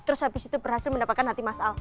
terus habis itu berhasil mendapatkan hati masal